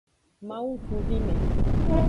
Mawu ngkuvime.